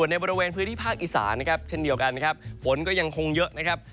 ในบริเวณพื้นที่ภาคอีสานเช่นเดียวกันฝนก็ยังคงเยอะ